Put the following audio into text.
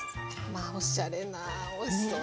まあおしゃれなおいしそうですね。